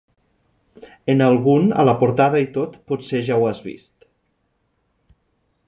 En algun a la portada i tot, potser ja ho has vist.